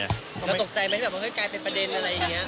แล้วตกใจไหมว่าเค้ากลายเป็นประเด็นอะไรอย่างนี้